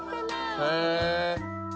へえ！